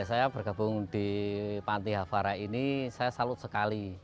saya bergabung di panti hafara ini saya salut sekali